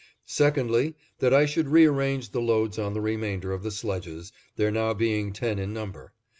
Secondly; that I should rearrange the loads on the remainder of the sledges, there now being ten in number.